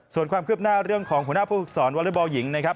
ส่วนความคืบหน้าเรื่องของหัวหน้าผู้ฝึกสอนวอเล็กบอลหญิงนะครับ